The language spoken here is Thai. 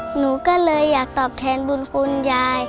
หนูก็เลยอยากตอบแทนบุญคุณยาย